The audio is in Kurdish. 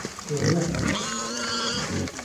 We nexwest